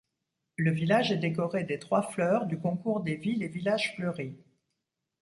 Le village est décoré des trois fleurs du concours des villes et villages fleuris.